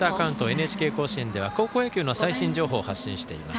ＮＨＫ甲子園では高校野球の最新情報を発信しています。